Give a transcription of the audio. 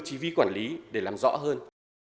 chi vi quản lý để làm rõ hơn